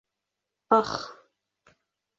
Ах...